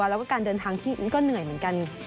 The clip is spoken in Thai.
แล้วก็การเดินทางที่ก็เหนื่อยเหมือนกัน